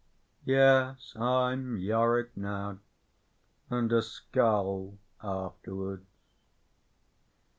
Yes, I'm Yorick now, and a skull afterwards."